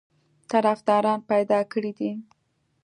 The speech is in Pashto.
طرفداران پیدا کړي دي.